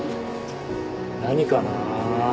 何かなぁ。